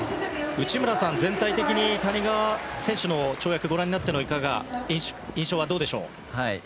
内村さん、全体的に谷川選手の跳躍をご覧になっての印象はいかがですか？